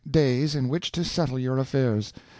days in which to settle your affairs.